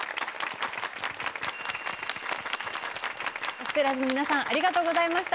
ゴスペラーズの皆さんありがとうございました。